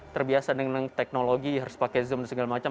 terbiasa dengan teknologi harus pakai zoom dan segala macam